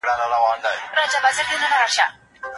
ولي ځيني هیوادونه بهرنیو چارو وزیر نه مني؟